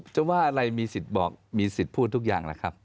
จะว่าอะไรมีสิทธิ์บอกมีสิทธิ์พูดทุกอย่างแหละครับ